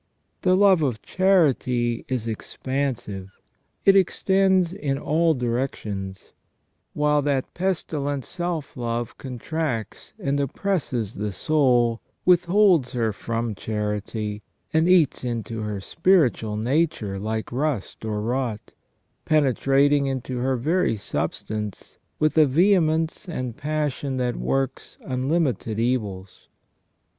The love of charity is expansive, it extends in all direc tions; while that pestilent self love contracts and oppresses the soul, withholds her from charity, and eats into her spiritual nature like rust or rot, penetrating into her very substance with a vehe mence and passion that works unlimited evils.